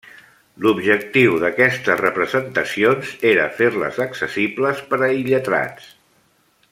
L'objectiu d'aquestes representacions era fer-les accessibles per a illetrats.